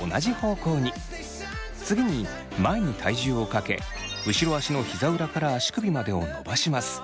次に前に体重をかけ後ろ足のひざ裏から足首までを伸ばします。